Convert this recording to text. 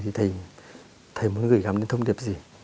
thầy muốn gửi gắm đến thông điệp gì